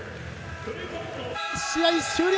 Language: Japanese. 試合終了！